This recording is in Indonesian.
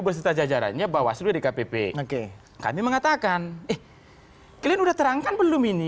berserta jajarannya bawaslu di kpp oke kami mengatakan eh kalian udah terangkan belum ini